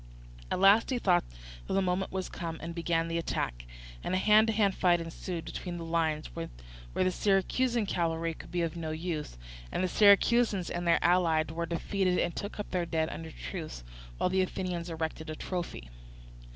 At last he thought that the moment was come, and began the attack; and a hand to hand fight ensued between the lines, where the Syracusan cavalry could be of no use; and the Syracusans and their allies were defeated and took up their dead under truce, while the Athenians erected a trophy.